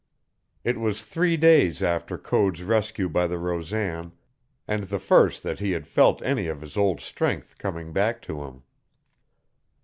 It was three days after Code's rescue by the Rosan and the first that he had felt any of his old strength coming back to him.